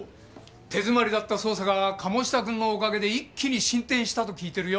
手詰まりだった捜査が鴨志田君のおかげで一気に進展したと聞いてるよ。